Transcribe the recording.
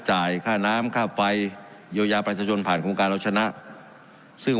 จ่ายค่าน้ำค่าไฟเยียวยาประชาชนผ่านโครงการเราชนะซึ่ง